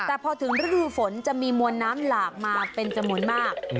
แต่พอถึงฤดูฝนจะมีมวลน้ำหลากมาเป็นจำนวนมาก